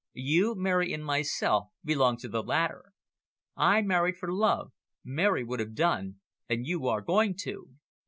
You, Mary, and myself belong to the latter. I married for love, Mary would have done, and you are going to.